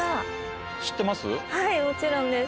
はいもちろんです。